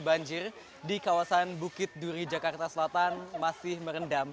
banjir di kawasan bukit duri jakarta selatan masih merendam